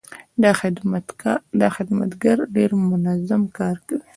دا خدمتګر ډېر منظم کار کوي.